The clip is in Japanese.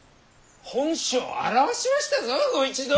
本性を現しましたぞご一同！